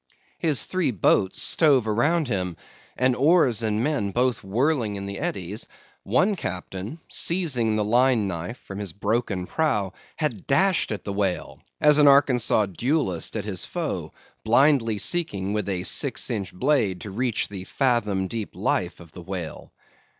His three boats stove around him, and oars and men both whirling in the eddies; one captain, seizing the line knife from his broken prow, had dashed at the whale, as an Arkansas duellist at his foe, blindly seeking with a six inch blade to reach the fathom deep life of the whale.